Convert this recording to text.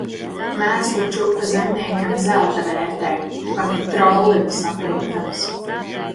Mēslu čupa zemniekam zelta vērtē. Pat trollim saprotams.